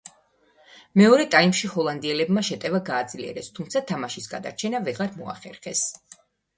მეორე ტაიმში ჰოლანდიელებმა შეტევა გააძლიერეს, თუმცა თამაშის გადარჩენა ვეღარ მოახერხეს.